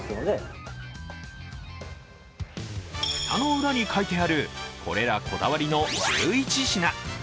蓋の裏に書いてある、これらこだわりの１１品。